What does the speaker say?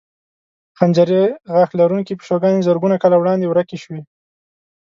خنجري غاښ لرونکې پیشوګانې زرګونو کاله وړاندې ورکې شوې.